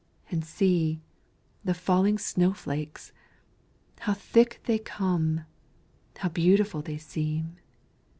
and see, the falling snow flakes! How thick they come how beautiful they seem!